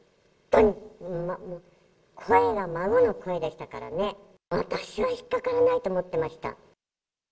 本当に、声が孫の声でしたからね、私は引っ掛からないと思ってました。